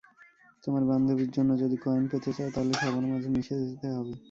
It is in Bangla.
তোমার বান্ধবীর জন্যে যদি কয়েন পেতে চাও, তাহলে সবার মাঝে মিশে যেতে হবে।